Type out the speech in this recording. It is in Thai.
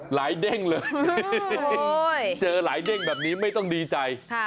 เด้งเลยเจอหลายเด้งแบบนี้ไม่ต้องดีใจ